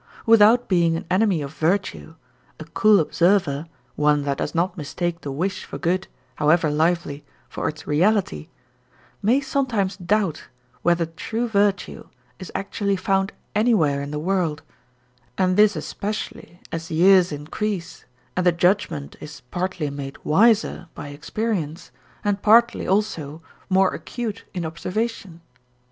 Without being an enemy of virtue, a cool observer, one that does not mistake the wish for good, however lively, for its reality, may sometimes doubt whether true virtue is actually found anywhere in the world, and this especially as years increase and the judgement is partly made wiser by experience and partly, also, more acute in observation.